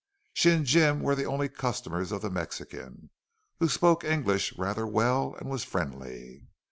She and Jim were the only customers of the Mexican, who spoke English rather well and was friendly.